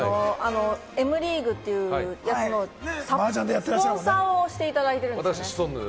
Ｍリーグというところでスポンサーしていただいてるんです。